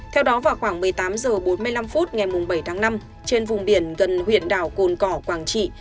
theo đó vào khoảng một mươi tám h bốn mươi năm phút ngày bảy tháng năm trên vùng biển gần huyện đảo cồn cỏ quảng trị